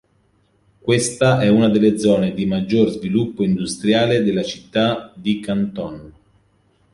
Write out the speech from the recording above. Questa è una delle zone di maggior sviluppo industriale della città di Canton.